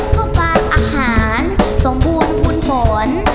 ข้อป่าอาหารสมบูรณ์ผูลผล